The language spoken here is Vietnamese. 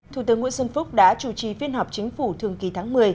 thủ tướng nguyễn xuân phúc đã chủ trì phiên họp chính phủ thường kỳ tháng một mươi